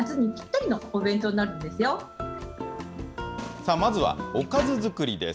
さあ、まずはおかず作りです。